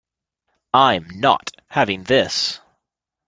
I'm not having this.